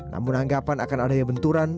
namun anggapan akan ada yang benturan